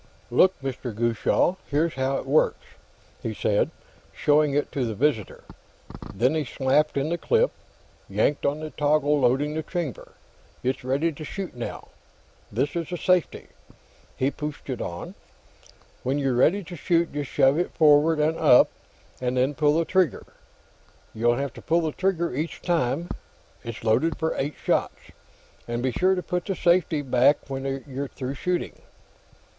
"Look, Mr. Gutchall; here's how it works," he said, showing it to the visitor. Then he slapped in the clip and yanked up on the toggle loading the chamber. "It's ready to shoot, now; this is the safety." He pushed it on. "When you're ready to shoot, just shove it forward and up, and then pull the trigger. You have to pull the trigger each time; it's loaded for eight shots. And be sure to put the safety back when you're through shooting."